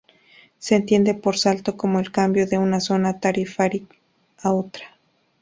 Se entiende por salto como el cambio de una zona tarifaria a otra.